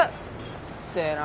うっせえな。